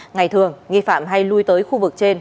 ngày thường nghi phạm hay lui tới khu vực trên